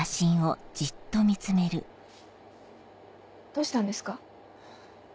どうしたんですか？